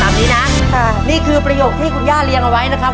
เอาตามนี้นะนี่คือประโยคที่คุณย่าเรียงเอาไว้นะคะ